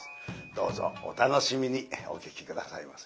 どうぞお楽しみにお聴き下さいませ。